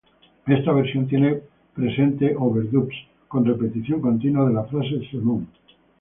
Esta versión tiene presente "overdubs" con repeticiones continuas de la frase "c'mon".